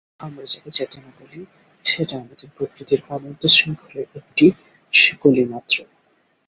আমরা যাকে চেতনা বলি, সেটা আমাদের প্রকৃতির অনন্ত শৃঙ্খলের একটা শিকলি-মাত্র।